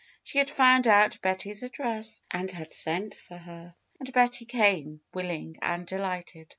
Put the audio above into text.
She had found out Betty's address, and had sent for her. And Betty came, willing and delighted.